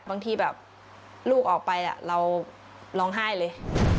บางทีแบบลูกออกไปเราร้องไห้เลย